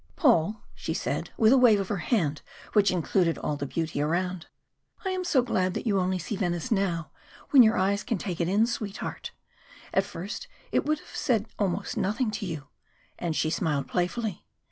"Paul," she said, with a wave of her hand which included all the beauty around, "I am so glad you only see Venice now, when your eyes can take it in, sweetheart. At first it would have said almost nothing to you," and she smiled playfully.